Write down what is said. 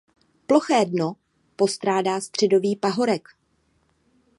Ploché dno postrádá středový pahorek.